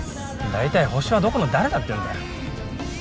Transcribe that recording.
大体ホシはどこの誰だっていうんだよ。